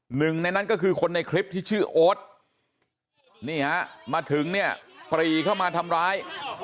หนึ่งในนั้นก็คือคนในคลิปที่ชื่อโอ๊ตนี่ฮะมาถึงเนี่ยปรีเข้ามาทำร้าย